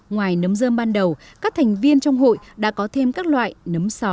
ngoài nấm dơm ban đầu các thành viên trong hội đã có thêm các loại nấm sò